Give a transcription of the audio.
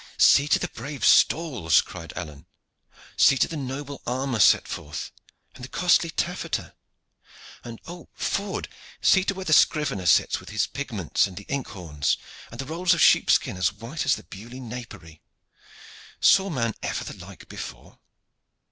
"See to the brave stalls!" cried Alleyne. "See to the noble armor set forth, and the costly taffeta and oh, Ford, see to where the scrivener sits with the pigments and the ink horns, and the rolls of sheepskin as white as the Beaulieu napery! Saw man ever the like before?"